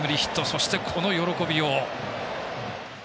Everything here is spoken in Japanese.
そして、この喜びよう。